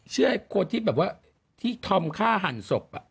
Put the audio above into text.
เคยควรทริบแบบว่าที่ทำฆ่าหั่นศพ